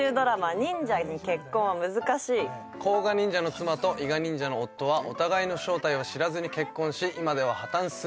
『忍者に結婚は難しい』甲賀忍者の妻と伊賀忍者の夫はお互いの正体を知らずに結婚し今では破綻寸前。